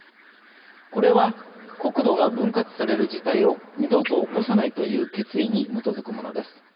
これは、国土が分割される事態を二度と起こさないという決意に基づくものです。